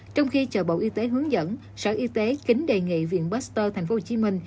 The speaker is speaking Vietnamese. trong khi chợ bộ y tế hướng dẫn sở y tế kính đề nghị viện master tp hcm